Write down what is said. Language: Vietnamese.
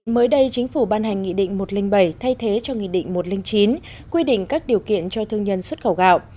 mới đây chính phủ ban hành nghị định một trăm linh bảy thay thế cho nghị định một trăm linh chín quy định các điều kiện cho thương nhân xuất khẩu gạo